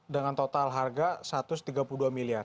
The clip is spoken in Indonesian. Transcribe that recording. dengan total harga rp satu ratus tiga puluh dua miliar